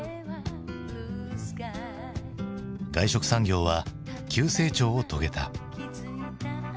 外食産業は急成長を遂げた。